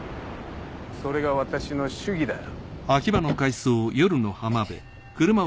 それが私の主義だよ。